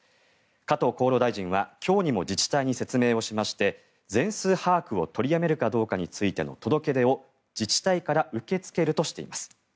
加藤厚労大臣は今日にも自治体に説明しまして全数把握を取りやめるかどうかの届け出を自治体から受け付けるとしています。